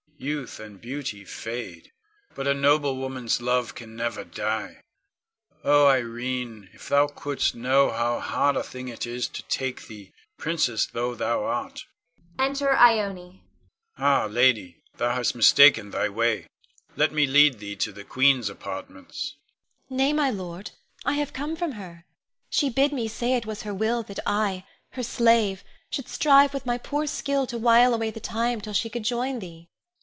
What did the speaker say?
Youth and beauty fade, but a noble woman's love can never die. Oh, Irene, if thou couldst know how hard a thing it is to take thee, princess though thou art! [Enter Ione.] Ah, lady, thou hast mistaken thy way! Let me lead thee to the queen's apartments. Ione. Nay, my lord; I have come from her. She bid me say it was her will that I, her slave, should strive with my poor skill to while away the time till she could join thee.